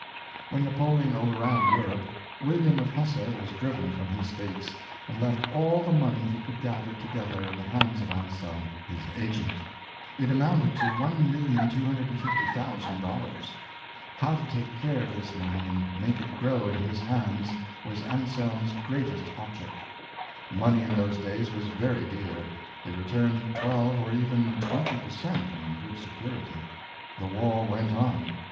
When Napoleon overran Europe, William of Hesse was driven from his states, and left all the money he could gather together in the hands of Anselm, his agent. It amounted to $1,250,000. How to take care of this money and make it grow in his hands was Anselm's greatest object. Money in those days was very dear; it returned twelve or even twenty per cent, on good security. The war went on.